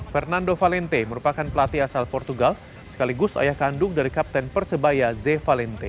fernando valente merupakan pelatih asal portugal sekaligus ayah kandung dari kapten persebaya ze valente